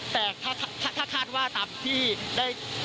แต่ถ้าคาดว่าตามที่ได้